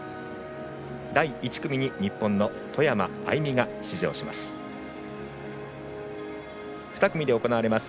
第１組に日本の外山愛美が出場します。